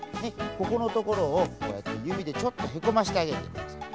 ここのところをこうやってゆびでちょっとへこましてあげてください。